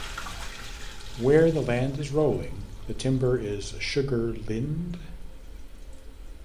Where the land is rolling, the timber is Sugar Lind?